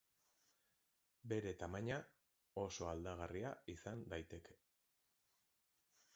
Bere tamaina, oso aldagarria izan daiteke.